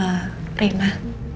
kamu nggak ada keinginan